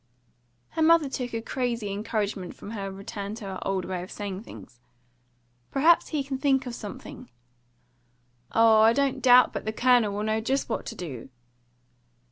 Her mother took a crazy encouragement from her return to her old way of saying things. "Perhaps he can think of something." "Oh, I don't doubt but the Colonel will know just what to do!"